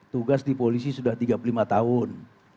tugas di polisi sudah tiga puluh lima tahun